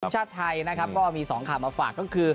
ความฉลาดทีมชาติไทยมี๒ข่าวมาฝาก